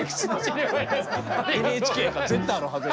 ＮＨＫやから絶対あるはずや。